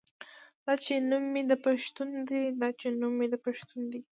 دا چې نوم مې د پښتون دے دا چې نوم مې د پښتون دے